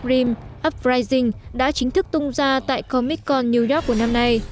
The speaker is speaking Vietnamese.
rim uprising đã chính thức tung ra tại comic con new york của năm nay